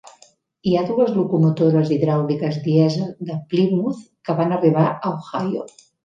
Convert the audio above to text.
Hi ha dues locomotores hidràuliques dièsel de Plymouth que van arribar a Ohio.